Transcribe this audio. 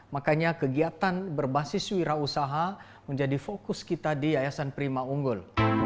makanya kegiatan berbasis wira usaha menjadi fokus kita di yayasan prima unggul